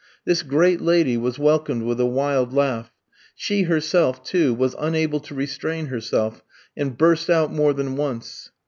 This great lady was welcomed with a wild laugh; she herself, too, was unable to restrain herself, and burst out more than once.